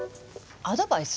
アドバイス？